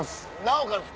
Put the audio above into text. なおかつ